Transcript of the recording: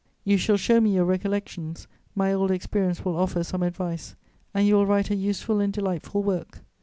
"You shall show me your 'Recollections;' my old experience will offer some advice, and you will write a useful and delightful work.